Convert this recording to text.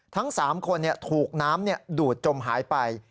ทั้ง๓คนถูกน้ำดูดจมหายไป